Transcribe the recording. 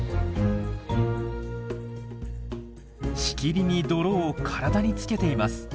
しきりに泥を体につけています。